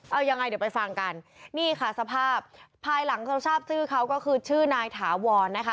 เอายังไงเดี๋ยวไปฟังกันนี่ค่ะสภาพภายหลังเขาทราบชื่อเขาก็คือชื่อนายถาวรนะคะ